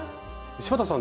柴田さん